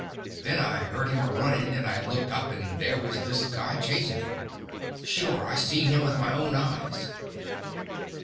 Then I heard him a running, and I looked up, and there was this guy, chasing him. Sure, I seen him with my own eyes."